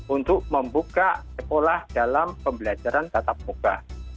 untuk membuka sekolah dalam pembelajaran tatap muka